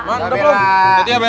udah bel udah bel